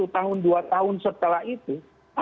sepuluh tahun dua tahun setelah itu